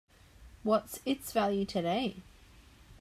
What's its value today?